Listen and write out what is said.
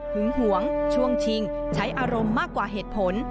หึงหวงช่วงชิงใช้อารมณ์มากกว่าเหตุผล